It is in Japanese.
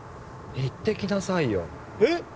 行ってきなさいよえっ！